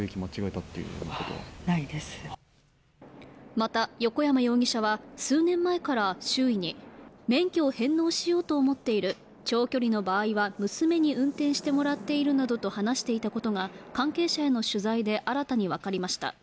また横山容疑者は数年前から周囲に免許を返納しようと思っている長距離の場合は娘に運転してもらっているなどと話していたことが関係者への取材で新たに分かりました